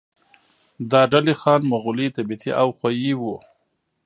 دا ډلې خان، مغولي، تبتي او خویي وو.